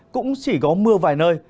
cũng chỉ có mưa vài nơi